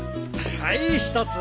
はい１つ